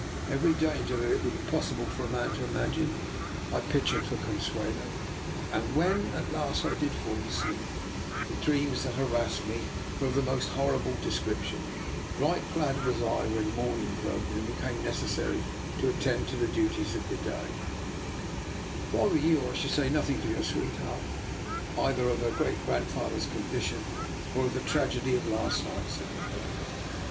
Every danger that it would be possible for a man to imagine I pictured for Consuelo; and when at last I did fall asleep, the dreat/ns that harassed me were of the most horri|ble de scription. Right glad was I when njiorning DR. NIKOLA'S EXPERIMENT. 285 broke and it became necessary to attend to the duties of the day. " If I were you, I should say nothing to your sweetheart either of her great grandfa ther's condition or of the tragedy of last night," said Nikola.